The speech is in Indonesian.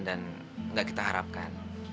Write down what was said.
dan enggak kita harapkan